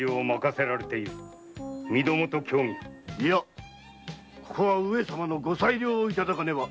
いやここは上様のご裁量をいただかねば。